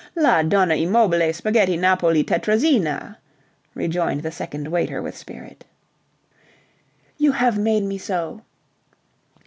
"La Donna e mobile spaghetti napoli Tettrazina," rejoined the second waiter with spirit. "... you have made me so..."